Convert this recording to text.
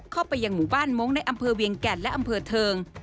เข้าไปยังหมู่บ้านมงค์ในอำเภอเวียงแก่นและอำเภอเทิง